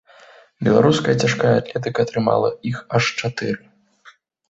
Беларуская цяжкая атлетыка атрымала іх аж чатыры.